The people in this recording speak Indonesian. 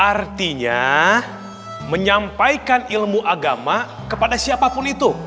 artinya menyampaikan ilmu agama kepada siapapun itu